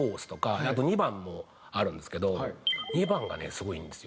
２番もあるんですけど２番がねすごいいいんですよ。